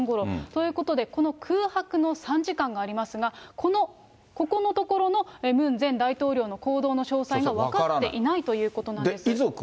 ということで、この空白の３時間がありますが、この、ここのところのムン前大統領の行動の詳細が分かっていないという遺族は。